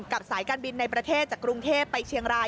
สายการบินในประเทศจากกรุงเทพไปเชียงราย